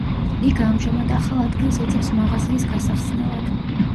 ლიგა ამჟამად ახალ ადგილს ეძებს მაღაზიის გასახსნელად.